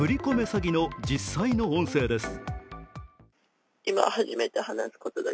詐欺の実際の音声です。